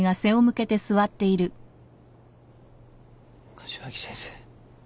柏木先生。